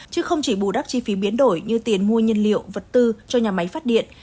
chứ không chỉ bù đắp chi phí biến đổi như tiền mua nhân liệu vật tư cho nhà máy phát điện